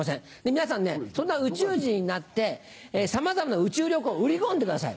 皆さんねそんな宇宙人になってさまざまな宇宙旅行を売り込んでください。